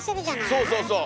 そうそうそう。